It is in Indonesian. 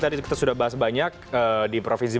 tadi kita sudah bahas banyak di provinsi